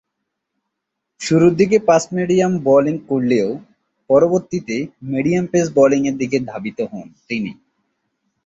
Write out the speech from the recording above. শুরুরদিকে fast medium bowling করলেও পরবর্তীতে medium pace বোলিংয়ের দিকে ধাবিত হন তিনি।